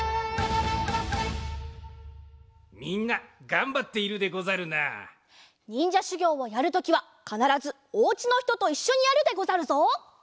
みんながんばっているでござるな。にんじゃしゅぎょうをやるときはかならずお家のひとといっしょにやるでござるぞ！